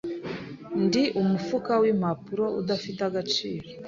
Ndi umufuka wimpapuro udafite agaciro,